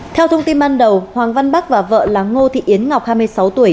theo thông tin ban đầu hoàng văn bắc và vợ là ngô thị yến ngọc hai mươi sáu tuổi